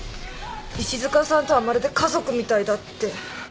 石塚さんとはまるで家族みたいだって。